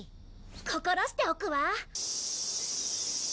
心しておくわ。